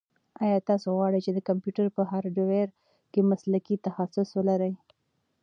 ایا تاسو غواړئ چې د کمپیوټر په هارډویر کې مسلکي تخصص ولرئ؟